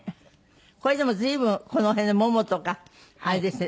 これでも随分この辺のももとかあれですね。